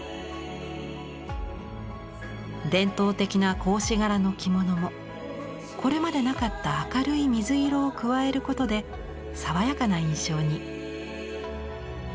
伝統的な格子柄の着物もこれまでなかった明るい水色を加えることで爽やかな印象に。